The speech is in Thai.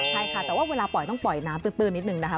ใช่ค่ะแต่ว่าเวลาปล่อยต้องปล่อยน้ำตื้นนิดนึงนะคะ